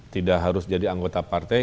tidak harus jadi anggota partai